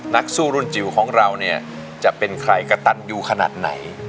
นักสู้รุ่นจิ๋วของเราเนี่ยจะเป็นใครกระตันยูขนาดไหน